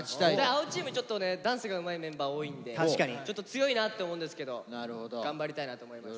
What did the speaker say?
青チームちょっとねダンスがうまいメンバー多いんでちょっと強いなって思うんですけど頑張りたいなと思います。